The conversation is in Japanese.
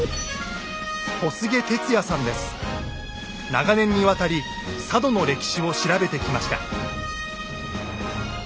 長年にわたり佐渡の歴史を調べてきました。